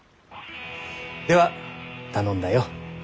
では頼んだよ。